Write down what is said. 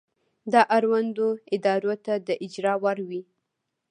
دا اړوندو ادارو ته د اجرا وړ وي.